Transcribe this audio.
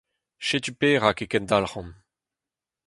Setu perak e kendalc'han.